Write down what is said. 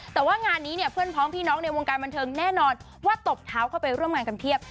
แต่ว่างานนี้เนี่ยเพื่อนพร้อมพี่น้องในวงการบันเทิงแน่นอนว่าตบเท้าเข้าไปร่วมงานกันเพียบ